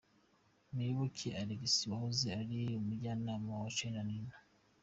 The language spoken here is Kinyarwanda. Muyoboke Alex wahoze ari umujyanama wa Charly na Nina.